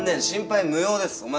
心配無用です。